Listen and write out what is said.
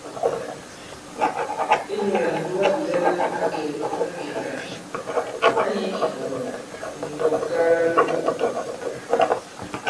Inyū lā ǹdugabìlɛla ǎ kɛ̀ i makè ŋgǎn, ǎ yī kì màlɔ̀ŋ nì mikɔ̀ŋŋkaala loŋgàlòŋgà.